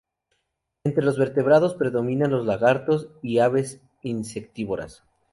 Entre los vertebrados predominan los lagartos y aves insectívoras.